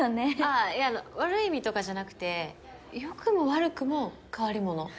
あいやあの悪い意味とかじゃなくて良くも悪くも変わり者。